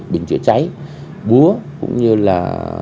bình chữa cháy búa cũng như là